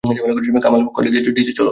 কামাল করে দিয়েছ, ডিজে চ্যালো!